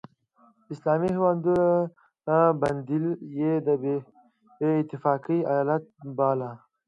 اسلامي هیوادونه بندېدل یې د بې اتفاقۍ علت باله.